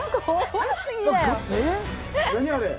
何あれ！？